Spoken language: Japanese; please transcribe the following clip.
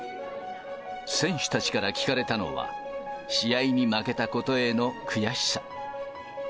選手たちから聞かれたのは、試合に負けたことへの悔しさ。